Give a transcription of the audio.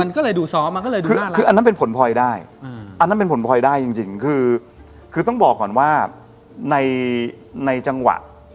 มันก็เลยดูสอบมันก็เลยดูมาร้านแล้วคืออันนั้นเป็นผลพลอยได้จริงคือผมต้องบอกก่อนว่าในจังหวะ